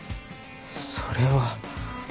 それは。